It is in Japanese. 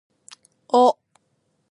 お